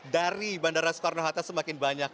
dari bandara soekarno hatta semakin banyak